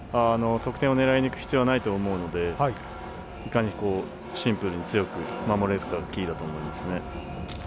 得点を狙いにいく必要はないと思うのでいかにシンプルに強く守れるかがキーだと思いますね。